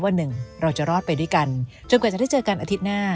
หนึ่งเราจะรอดไปด้วยกันจนกว่าจะได้เจอกันอาทิตย์หน้า